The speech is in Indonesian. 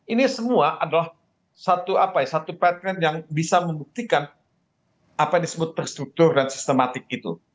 ini semua adalah satu apa ya satu pattern yang bisa membuktikan apa yang disebut perstruktur dan sistematik itu